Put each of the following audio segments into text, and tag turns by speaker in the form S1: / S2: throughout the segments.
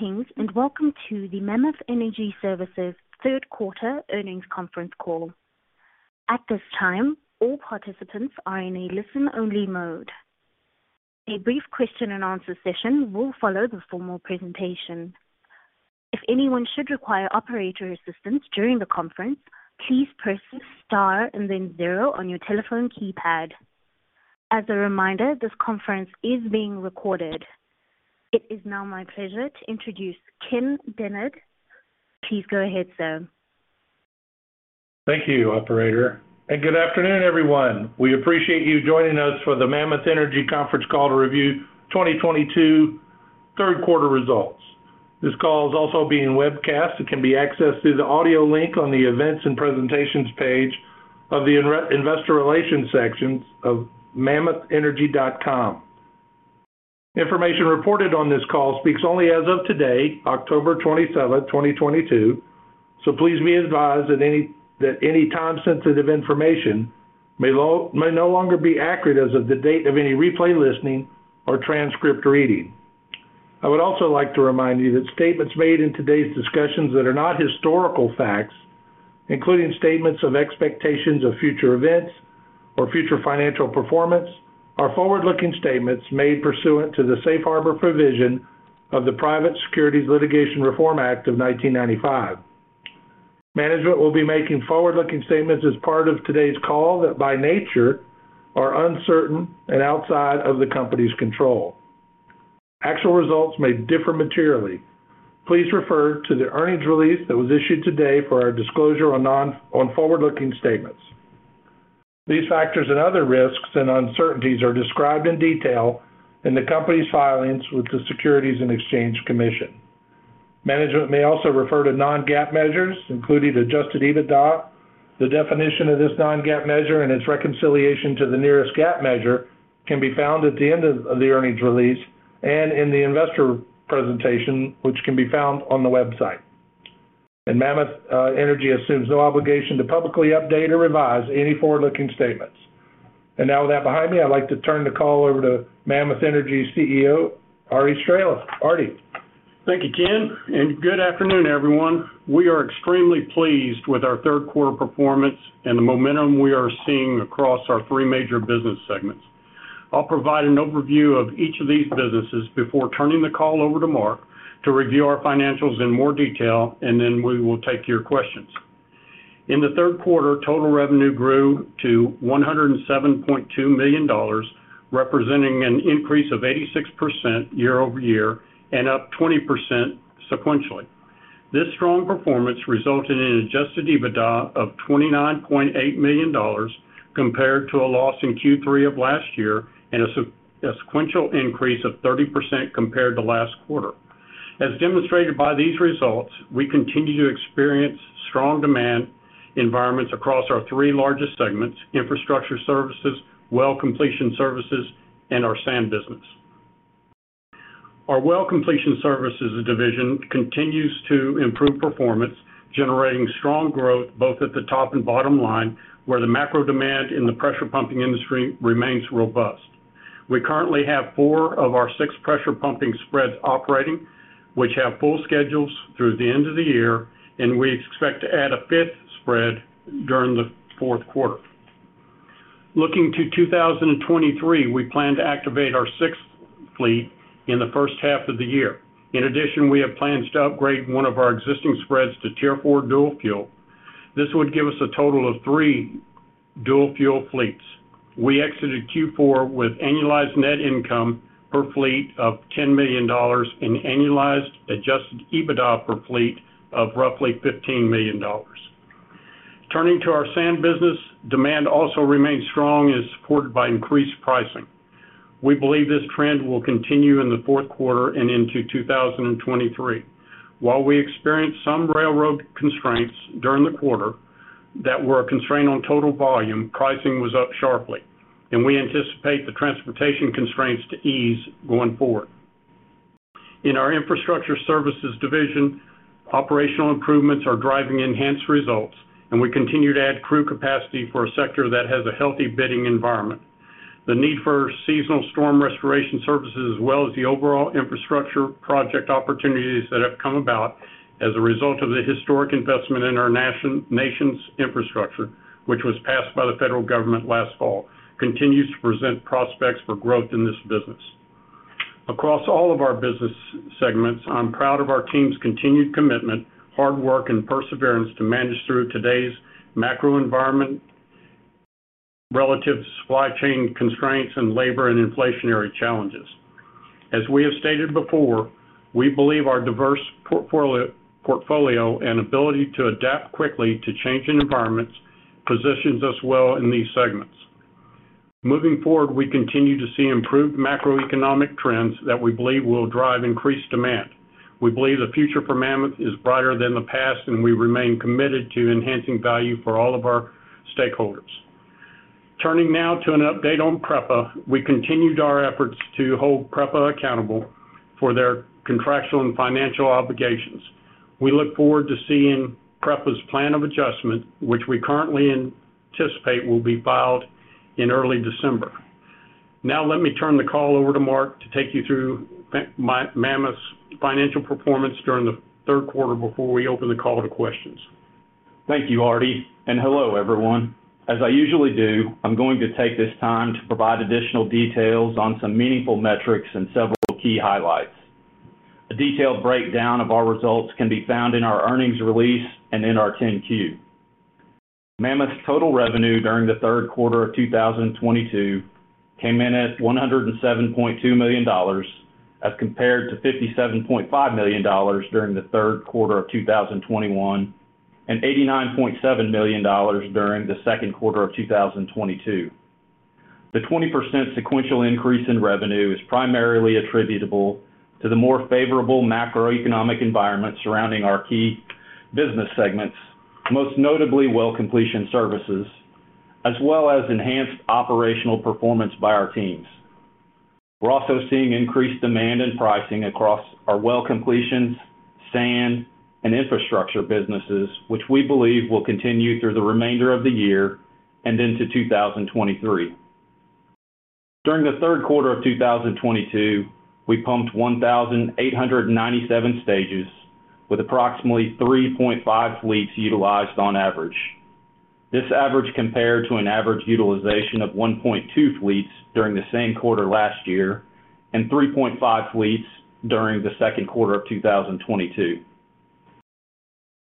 S1: Greetings, and welcome to the Mammoth Energy Services 3rd Quarter Earnings Conference Call. At this time, all participants are in a listen-only mode. A brief question-and-answer session will follow the formal presentation. If anyone should require operator assistance during the conference, please press star and then zero on your telephone keypad. As a reminder, this conference is being recorded. It is now my pleasure to introduce Ken Dennard. Please go ahead, sir.
S2: Thank you, operator, and good afternoon, everyone. We appreciate you joining us for the Mammoth Energy conference call to review 2022 3rd quarter results. This call is also being webcast. It can be accessed through the audio link on the Events and Presentations page of the investor relations sections of mammothenergy.com. Information reported on this call speaks only as of today, October 27, 2022. Please be advised that any time-sensitive information may no longer be accurate as of the date of any replay listening or transcript reading. I would also like to remind you that statements made in today's discussions that are not historical facts, including statements of expectations of future events or future financial performance, are forward-looking statements made pursuant to the safe harbor provision of the Private Securities Litigation Reform Act of 1995. Management will be making forward-looking statements as part of today's call that, by nature, are uncertain and outside of the company's control. Actual results may differ materially. Please refer to the earnings release that was issued today for our disclosure on forward-looking statements. These factors and other risks and uncertainties are described in detail in the company's filings with the Securities and Exchange Commission. Management may also refer to non-GAAP measures, including adjusted EBITDA. The definition of this non-GAAP measure and its reconciliation to the nearest GAAP measure can be found at the end of the earnings release and in the investor presentation, which can be found on the website. Mammoth Energy assumes no obligation to publicly update or revise any forward-looking statements. Now with that behind me, I'd like to turn the call over to Mammoth Energy CEO, Arty Straehla. Arty.
S3: Thank you, Ken, and good afternoon, everyone. We are extremely pleased with our 3rd quarter performance and the momentum we are seeing across our three major business segments. I'll provide an overview of each of these businesses before turning the call over to Mark to review our financials in more detail, and then we will take your questions. In the 3rd quarter, total revenue grew to $107.2 million, representing an increase of 86% year-over-year and up 20% sequentially. This strong performance resulted in adjusted EBITDA of $29.8 million compared to a loss in Q3 of last year and a sequential increase of 30% compared to last quarter. As demonstrated by these results, we continue to experience strong demand environments across our three largest segments, infrastructure services, well completion services, and our sand business. Our well completion services division continues to improve performance, generating strong growth both at the top and bottom line, where the macro demand in the pressure pumping industry remains robust. We currently have four of our six pressure pumping spreads operating, which have full schedules through the end of the year, and we expect to add a 5th spread during the 4th quarter. Looking to 2023, we plan to activate our 6th fleet in the 1st half of the year. In addition, we have plans to upgrade one of our existing spreads to Tier 4 dual fuel. This would give us a total of three dual fuel fleets. We exited Q4 with annualized net income per fleet of $10 million and annualized adjusted EBITDA per fleet of roughly $15 million. Turning to our sand business, demand also remains strong and is supported by increased pricing. We believe this trend will continue in the 4th quarter and into 2023. While we experienced some railroad constraints during the quarter that were a constraint on total volume, pricing was up sharply, and we anticipate the transportation constraints to ease going forward. In our infrastructure services division, operational improvements are driving enhanced results, and we continue to add crew capacity for a sector that has a healthy bidding environment. The need for seasonal storm restoration services as well as the overall infrastructure project opportunities that have come about as a result of the historic investment in our nation's infrastructure, which was passed by the federal government last fall, continues to present prospects for growth in this business. Across all of our business segments, I'm proud of our team's continued commitment, hard work, and perseverance to manage through today's macro environment relative to supply chain constraints and labor and inflationary challenges. As we have stated before, we believe our diverse portfolio and ability to adapt quickly to changing environments positions us well in these segments. Moving forward, we continue to see improved macroeconomic trends that we believe will drive increased demand. We believe the future for Mammoth is brighter than the past, and we remain committed to enhancing value for all of our stakeholders. Turning now to an update on PREPA. We continued our efforts to hold PREPA accountable for their contractual and financial obligations. We look forward to seeing PREPA's plan of adjustment, which we currently anticipate will be filed in early December. Now let me turn the call over to Mark to take you through Mammoth's financial performance during the 3rd quarter before we open the call to questions.
S4: Thank you, Arty, and hello, everyone. As I usually do, I'm going to take this time to provide additional details on some meaningful metrics and several key highlights. A detailed breakdown of our results can be found in our earnings release and in our 10-Q. Mammoth's total revenue during the 3rd quarter of 2022 came in at $107.2 million, as compared to $57.5 million during the 3rd quarter of 2021, and $89.7 million during the 2nd quarter of 2022. The 20% sequential increase in revenue is primarily attributable to the more favorable macroeconomic environment surrounding our key business segments, most notably well completion services, as well as enhanced operational performance by our teams. We're also seeing increased demand in pricing across our well completions, sand, and infrastructure businesses, which we believe will continue through the remainder of the year and into 2023. During the 3rd quarter of 2022, we pumped 1,897 stages with approximately 3.5 fleets utilized on average. This average compared to an average utilization of 1.2 fleets during the same quarter last year, and 3.5 fleets during the 2nd quarter of 2022.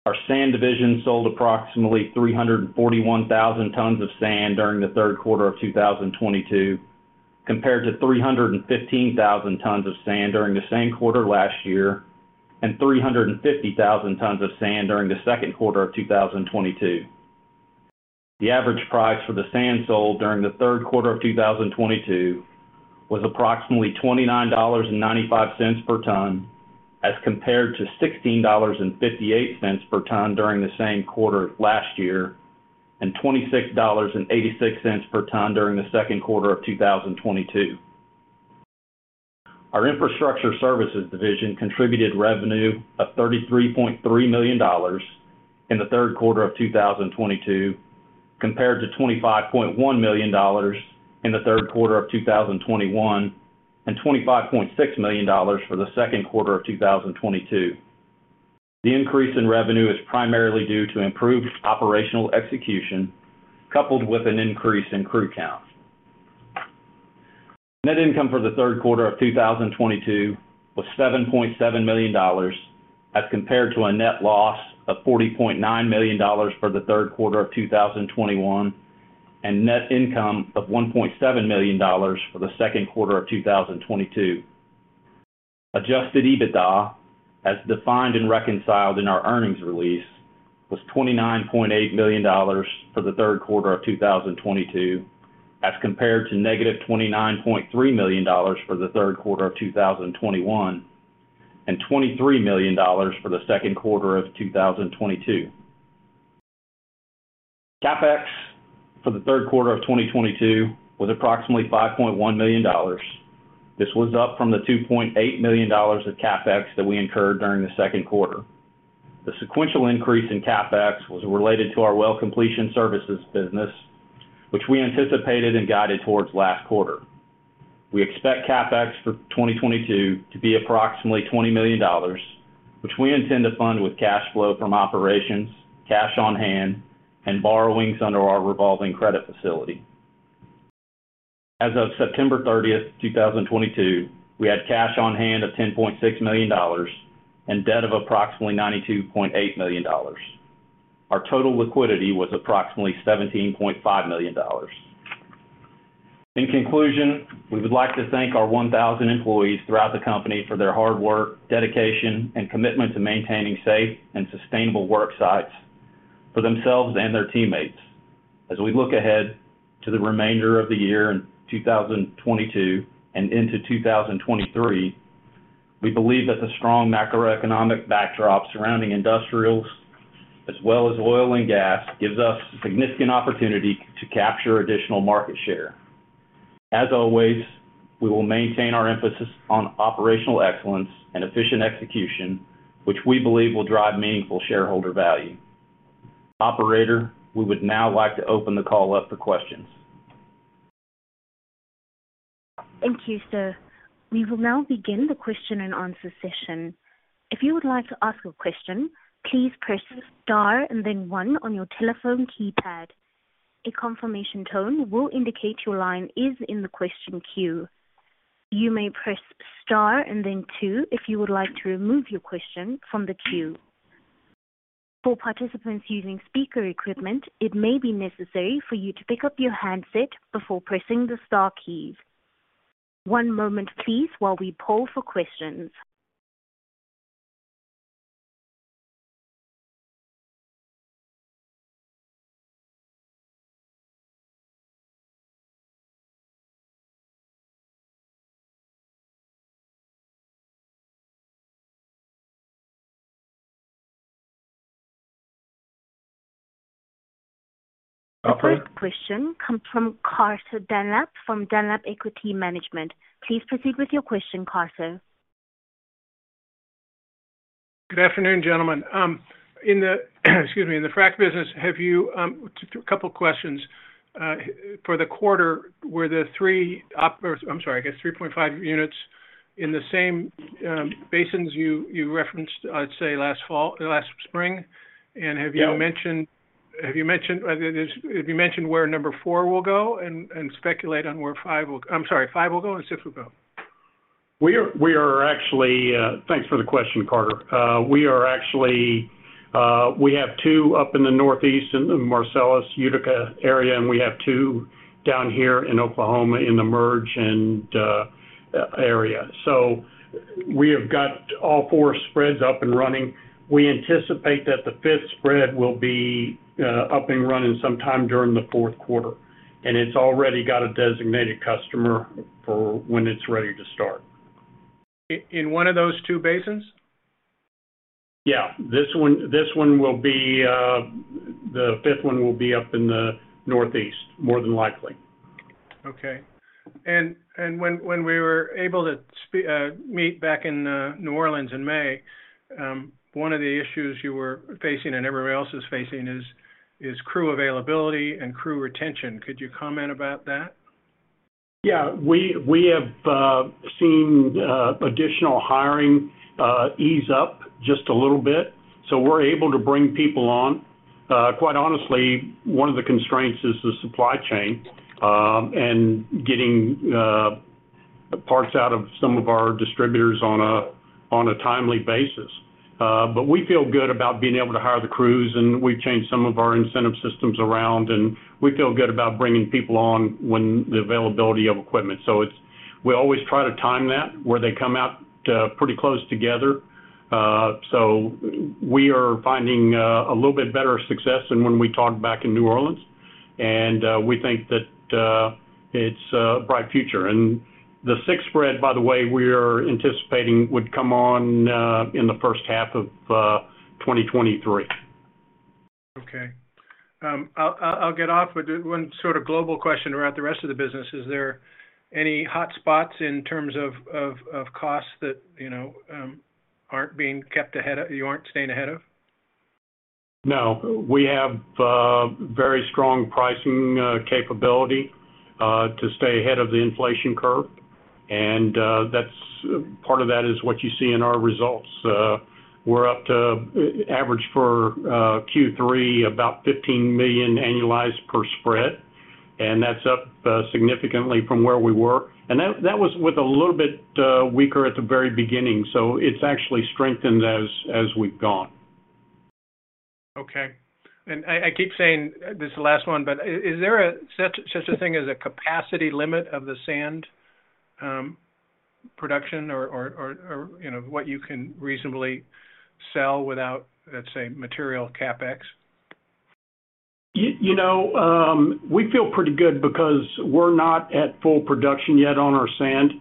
S4: Our sand division sold approximately 341,000 tons of sand during the 3rd quarter of 2022, compared to 315,000 tons of sand during the same quarter last year, and 350,000 tons of sand during the 2nd quarter of 2022. The average price for the sand sold during the 3rd quarter of 2022 was approximately $29.95 per ton as compared to $16.58 per ton during the same quarter last year, and $26.86 per ton during the 2nd quarter of 2022. Our infrastructure services division contributed revenue of $33.3 million in the 3rd quarter of 2022, compared to $25.1 million in the 3rd quarter of 2021, and $25.6 million for the 2nd quarter of 2022. The increase in revenue is primarily due to improved operational execution, coupled with an increase in crew count. Net income for the 3rd quarter of 2022 was $7.7 million, as compared to a net loss of $40.9 million for the 3rd quarter of 2021, and net income of $1.7 million for the 2nd quarter of 2022. Adjusted EBITDA, as defined and reconciled in our earnings release, was $29.8 million for the 3rd quarter of 2022, as compared to -$29.3 million for the 3rd quarter of 2021, and $23 million for the 2nd quarter of 2022. CapEx for the 3rd quarter of 2022 was approximately $5.1 million. This was up from the $2.8 million of CapEx that we incurred during the 2nd quarter. The sequential increase in CapEx was related to our well completion services business, which we anticipated and guided towards last quarter. We expect CapEx for 2022 to be approximately $20 million, which we intend to fund with cash flow from operations, cash on hand, and borrowings under our revolving credit facility. As of September 30th, 2022, we had cash on hand of $10.6 million and debt of approximately $92.8 million. Our total liquidity was approximately $17.5 million. In conclusion, we would like to thank our 1,000 employees throughout the company for their hard work, dedication, and commitment to maintaining safe and sustainable work sites for themselves and their teammates. As we look ahead to the remainder of the year in 2022 and into 2023, we believe that the strong macroeconomic backdrop surrounding industrials, as well as oil and gas, gives us significant opportunity to capture additional market share. As always, we will maintain our emphasis on operational excellence and efficient execution, which we believe will drive meaningful shareholder value. Operator, we would now like to open the call up for questions.
S1: Thank you, sir. We will now begin the question and answer session. If you would like to ask a question, please press star and then one on your telephone keypad. A confirmation tone will indicate your line is in the question queue. You may press star and then two if you would like to remove your question from the queue. For participants using speaker equipment, it may be necessary for you to pick up your handset before pressing the star key. One moment please, while we poll for questions. Our 1st question comes from Carter Dunlap from Dunlap Equity Management. Please proceed with your question, Carter.
S5: Good afternoon, gentlemen. Excuse me, in the frac business, have you just a couple questions. For the quarter, were the 3.5 units in the same basins you referenced, I'd say last fall, last spring? Have you mentioned-
S3: Yeah.
S5: Have you mentioned where number four will go and speculate on where five will go and six will go?
S3: Thanks for the question, Carter. We are actually, we have two up in the Northeast in the Marcellus Utica area, and we have two down here in Oklahoma in the Merge area. We have got all four spreads up and running. We anticipate that the 5th spread will be up and running sometime during the 4th quarter. It's already got a designated customer for when it's ready to start.
S5: In one of those two basins?
S3: Yeah. This one will be the 5th one up in the Northeast, more than likely.
S5: Okay. When we were able to meet back in New Orleans in May, one of the issues you were facing and everybody else is facing is crew availability and crew retention. Could you comment about that?
S3: Yeah. We have seen additional hiring ease up just a little bit, so we're able to bring people on. Quite honestly, one of the constraints is the supply chain and getting parts out of some of our distributors on a timely basis. We feel good about being able to hire the crews, and we've changed some of our incentive systems around, and we feel good about bringing people on when the availability of equipment. We always try to time that where they come out pretty close together. We are finding a little bit better success than when we talked back in New Orleans. We think that it's a bright future. The 6th spread, by the way, we are anticipating would come on in the 1st half of 2023.
S5: Okay. I'll get off with one sort of global question around the rest of the business. Is there any hotspots in terms of costs that you know you aren't staying ahead of?
S3: No. We have very strong pricing capability to stay ahead of the inflation curve. That's part of that is what you see in our results. We're up to average for Q3, about $15 million annualized per spread, and that's up significantly from where we were. That was with a little bit weaker at the very beginning, so it's actually strengthened as we've gone.
S5: Okay. I keep saying this is the last one, but is there such a thing as a capacity limit of the sand production or you know, what you can reasonably sell without, let's say, material CapEx?
S3: You know, we feel pretty good because we're not at full production yet on our sand.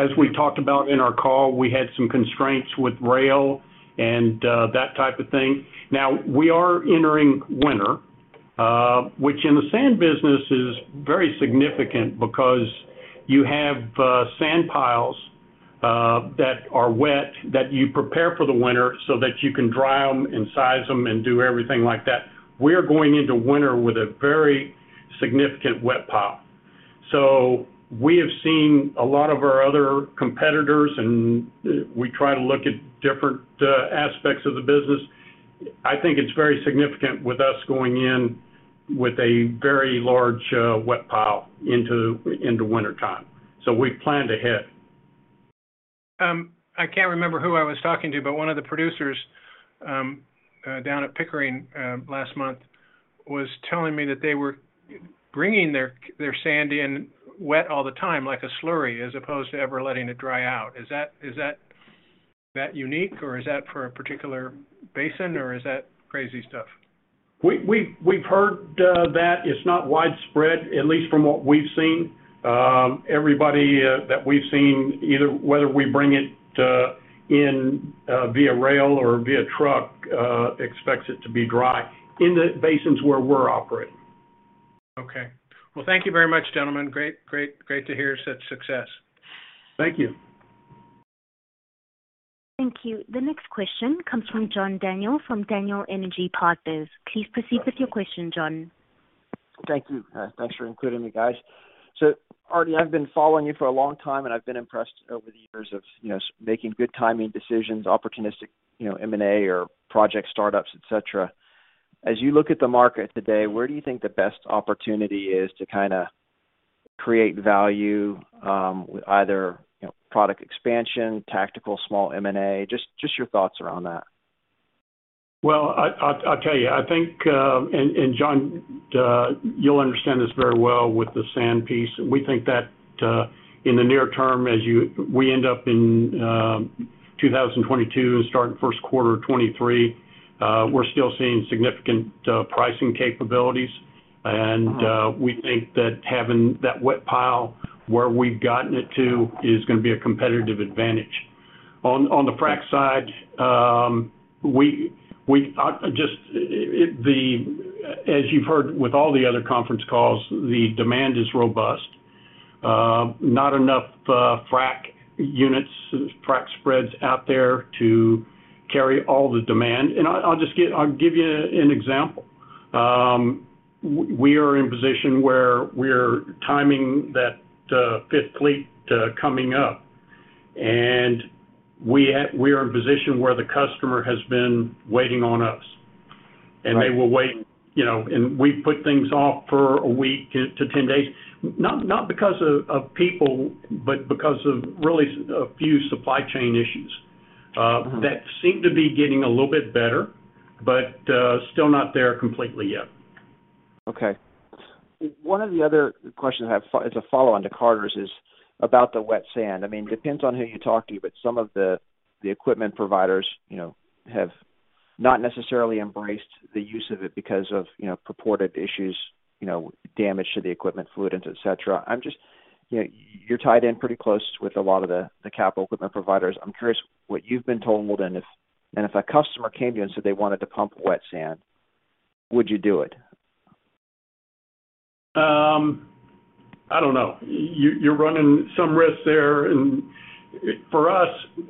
S3: As we talked about in our call, we had some constraints with rail and that type of thing. Now, we are entering winter, which in the sand business is very significant because you have sand piles that are wet, that you prepare for the winter so that you can dry them and size them and do everything like that. We're going into winter with a very significant wet pile. We have seen a lot of our other competitors, and we try to look at different aspects of the business. I think it's very significant with us going in with a very large wet pile into wintertime. We've planned ahead.
S5: I can't remember who I was talking to, but one of the producers down at Pickering last month was telling me that they were bringing their sand in wet all the time, like a slurry, as opposed to ever letting it dry out. Is that unique, or is that for a particular basin, or is that crazy stuff?
S3: We've heard that. It's not widespread, at least from what we've seen. Everybody that we've seen, either whether we bring it in via rail or via truck, expects it to be dry in the basins where we're operating.
S5: Okay. Well, thank you very much, gentlemen. Great to hear such success.
S3: Thank you.
S1: Thank you. The next question comes from John Daniel from Daniel Energy Partners. Please proceed with your question, John.
S6: Thank you. Thanks for including me, guys. Arty, I've been following you for a long time, and I've been impressed over the years of, you know, making good timing decisions, opportunistic, you know, M&A or project startups, et cetera. As you look at the market today, where do you think the best opportunity is to kinda create value, with either, you know, product expansion, tactical small M&A? Just your thoughts around that.
S3: Well, I'll tell you. I think, and John, you'll understand this very well with the sand piece. We think that, in the near term, we end up in 2022 and start in 1st quarter of 2023, we're still seeing significant pricing capabilities.
S6: Mm-hmm.
S3: We think that having that wet pile where we've gotten it to is gonna be a competitive advantage. On the frac side, as you've heard with all the other conference calls, the demand is robust. Not enough frac units, frac spreads out there to carry all the demand. I'll give you an example. We are in a position where we're timing that 5th fleet coming up. We are in a position where the customer has been waiting on us.
S6: Right.
S3: They will wait, you know, and we put things off for a week to 10 days, not because of people, but because of really a few supply chain issues.
S6: Mm-hmm.
S3: That seem to be getting a little bit better, but still not there completely yet.
S6: Okay. One of the other questions I have as a follow-on to Carter's is about the wet sand. I mean, depends on who you talk to, but some of the equipment providers, you know, have not necessarily embraced the use of it because of, you know, purported issues, you know, damage to the equipment, fluid end et cetera. I'm just. You're tied in pretty close with a lot of the capital equipment providers. I'm curious what you've been told, and if a customer came to you and said they wanted to pump wet sand, would you do it?
S3: I don't know. You, you're running some risks there. For us,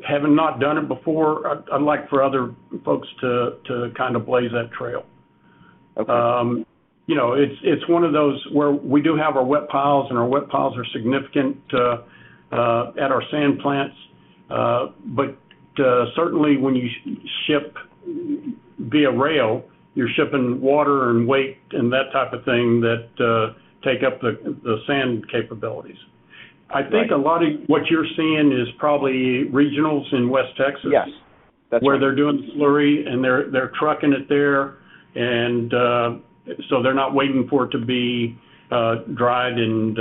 S3: having not done it before, I'd like for other folks to kind of blaze that trail.
S6: Okay.
S3: You know, it's one of those where we do have our wet piles, and our wet piles are significant at our sand plants. Certainly when you ship via rail, you're shipping water and weight and that type of thing that take up the sand capabilities.
S6: Right.
S3: I think a lot of what you're seeing is probably regionals in West Texas.
S6: Yes. That's right.
S3: Where they're doing slurry, and they're trucking it there. They're not waiting for it to be dried and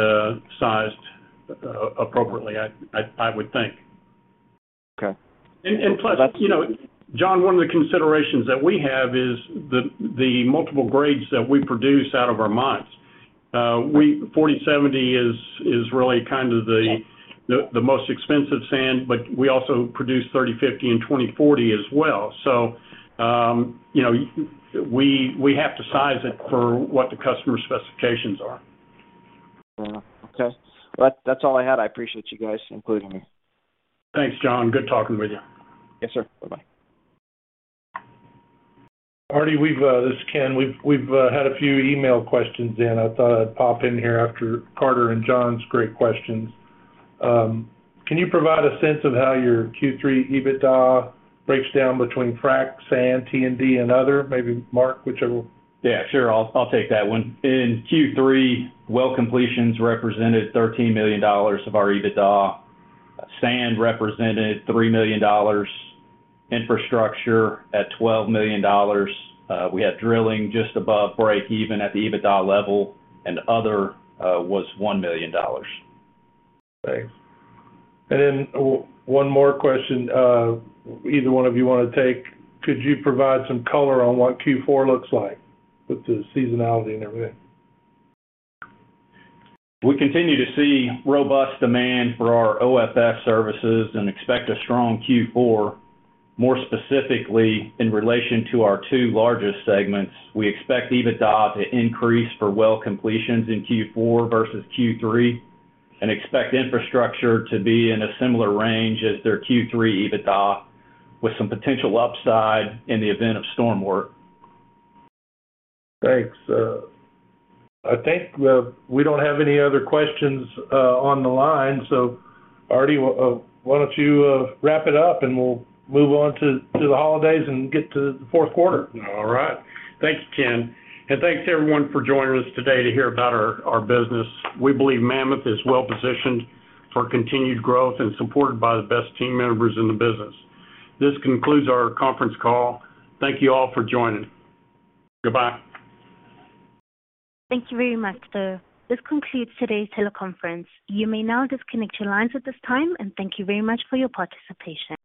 S3: sized appropriately. I would think.
S6: Okay.
S3: And, and plus-
S6: That's-
S3: You know, John, one of the considerations that we have is the multiple grades that we produce out of our mines. 40/70 is really kind of the-
S6: Yes
S3: the most expensive sand, but we also produce 30/50 and 20/40 as well. You know, we have to size it for what the customer's specifications are.
S6: Yeah. Okay. Well, that's all I had. I appreciate you guys including me.
S3: Thanks, John. Good talking with you.
S6: Yes, sir. Bye-bye.
S2: Arty, this is Ken. We've had a few email questions in. I thought I'd pop in here after Carter and John's great questions. Can you provide a sense of how your Q3 EBITDA breaks down between frac, sand, T&D, and other? Maybe Mark, whichever.
S4: Yeah, sure. I'll take that one. In Q3, Well Completions represented $13 million of our EBITDA. Sand represented $3 million. Infrastructure at $12 million. We had Drilling just above break even at the EBITDA level, and Other was $1 million.
S2: Thanks. One more question, either one of you wanna take. Could you provide some color on what Q4 looks like with the seasonality and everything?
S4: We continue to see robust demand for our OFS services and expect a strong Q4, more specifically in relation to our two largest segments. We expect EBITDA to increase for Well Completions in Q4 versus Q3 and expect Infrastructure to be in a similar range as their Q3 EBITDA, with some potential upside in the event of storm work.
S2: Thanks. I think we don't have any other questions on the line. Arty, why don't you wrap it up, and we'll move on to the holidays and get to the 4th quarter.
S3: All right. Thanks, Ken. Thanks to everyone for joining us today to hear about our business. We believe Mammoth is well positioned for continued growth and supported by the best team members in the business. This concludes our conference call. Thank you all for joining. Goodbye.
S1: Thank you very much, though. This concludes today's teleconference. You may now disconnect your lines at this time, and thank you very much for your participation.